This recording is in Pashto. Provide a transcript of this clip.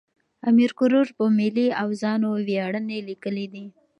امیر کروړ په ملي اوزانو ویاړنې لیکلې دي.